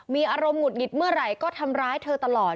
มีอารมณ์หงุดหงิดเมื่อไหร่ก็ทำร้ายเธอตลอด